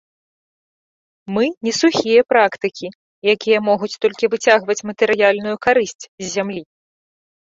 Мы не сухія практыкі, якія могуць толькі выцягваць матэрыяльную карысць з зямлі.